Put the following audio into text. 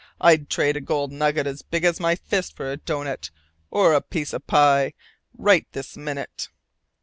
I'd trade a gold nugget as big as my fist for a doughnut or a piece of pie right this minute.